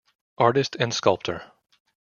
Artist and sculptor.